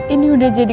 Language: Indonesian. ini udah jadi